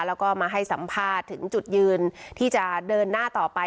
แล้วก็มาให้สัมภาษณ์ถึงจุดยืนที่จะเดินหน้าต่อไป